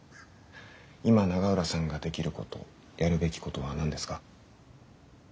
今永浦さんができることやるべきことは何ですか？